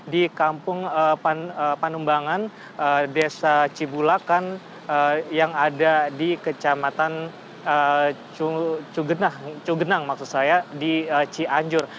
di kampung panumbangan desa cibulakan yang ada di kecamatan cugenang maksud saya di cianjur